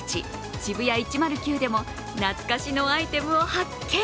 ＳＨＩＢＵＹＡ１０９でも懐かしのアイテムを発見。